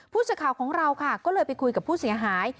ผู้สื่อข่าวของเราค่ะก็เลยไปคุยกับผู้เสียหาย